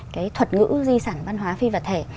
cái thuật ngữ di sản văn hóa phi vật thể